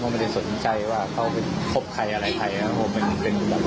ไม่เอาอะไรเยอะ